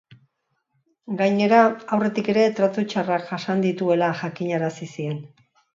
Gainera, aurretik ere tratu txarrak jasan dituela jakinarazi zien.